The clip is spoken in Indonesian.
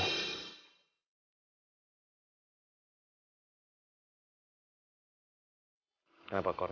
hai kenapa kau takut sama reno